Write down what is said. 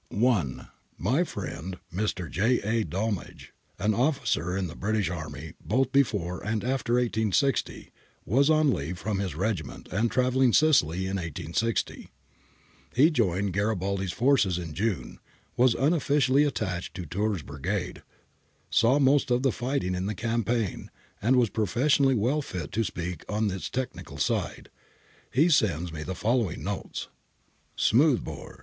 I. My friend, Mr. J. A. Dolmage, an officer in the British Army, both before and after i860, was on leave from his regiment and travelling in Sicily in i860. Rejoined Gari baldi's forces in June, was unofficially attached to Tiirr's Brigade, saw most of the fighting in the campaign, and was professionally well fit to speak on its technical side. He sends me the following notes :—' Smooth bore.